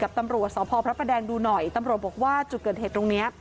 ตำรวจสพพระประแดงดูหน่อยตำรวจบอกว่าจุดเกิดเหตุตรงเนี้ย